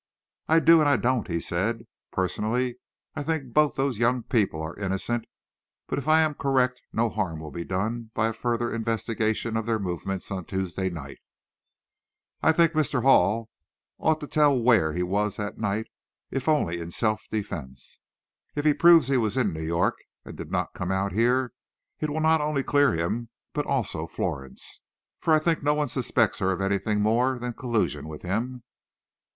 "I do and I don't," he said. "Personally, I think both those young people are innocent, but if I am correct, no harm will be done by a further investigation of their movements on Tuesday night. I think Mr. Hall ought to tell where he was that night, if only in self defense. If he proves he was in New York, and did not come out here, it will not only clear him, but also Florence. For I think no one suspects her of anything more than collusion with him."